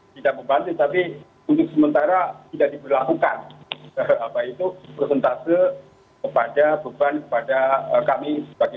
pertama bahwa pada dasarnya pedagang itu kalau dalam posisi usahanya bagus tentunya kita akan memberikan